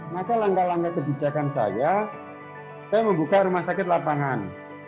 maka langkah langkah kebijakan saya saya membuka rumah sakit lapangan